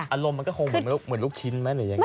อารมณ์มันก็คงเหมือนลูกชิ้นไหมหรือยังไง